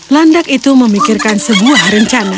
landak itu memikirkan sebuah rencana